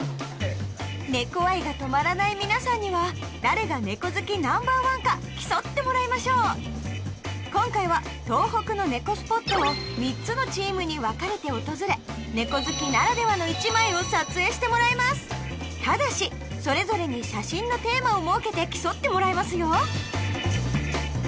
猫愛が止まらない皆さんには誰が猫好きナンバー１か競ってもらいましょう今回は東北の猫スポットを３つのチームに分かれて訪れ猫好きならではの１枚を撮影してもらいますただしそれぞれに写真のテーマを設けて競ってもらいますよ